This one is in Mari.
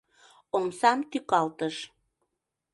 Омсам тӱкалтыш.